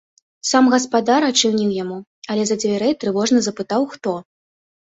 Сам гаспадар адчыніў яму, але з-за дзвярэй трывожна запытаў хто.